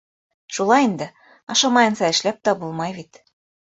Шулай инде, ашамайынса эшләп тә булмай бит...